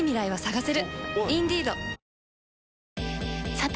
さて！